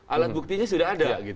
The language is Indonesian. alat buktinya sudah ada